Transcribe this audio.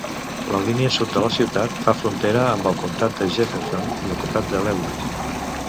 La línia sud de la ciutat fa frontera amb el comtat de Jefferson i el comtat de Lewis.